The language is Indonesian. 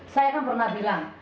saya kan pernah bilang